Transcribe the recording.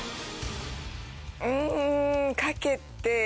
んかけて。